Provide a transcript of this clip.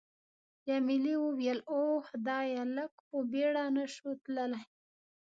جميلې وويل:: اوه خدایه، لږ په بېړه نه شو تللای؟